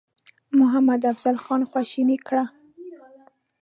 محمدافضل خان خواشینی کړ.